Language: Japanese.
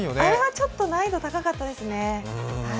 あれはちょっと難易度、高かったですね。